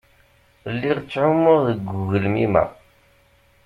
Lliɣa ttɛummuɣ deg ugelmim-a.